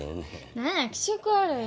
何や気色悪いなあ。